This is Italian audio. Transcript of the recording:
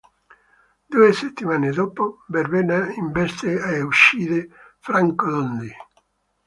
Due settimane dopo, Verbena investe e uccide Franco Dondi.